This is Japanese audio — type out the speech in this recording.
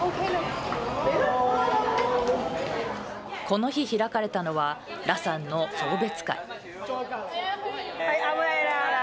この日開かれたのは、羅さんの送別会。